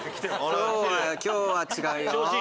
今日は違うよ。